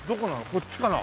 こっちかな。